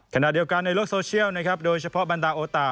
ขณะเดียวกันในโลกโซเชียลนะครับโดยเฉพาะบรรดาโอตะ